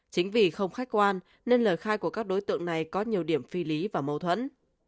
chính vì không khách quan nên lời khai của các đối tượng này có nhiều điểm phi lý và mâu thuẫn